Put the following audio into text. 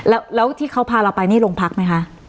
แล้วที่เขาพาเราไปนี่โรงพักไหมคะ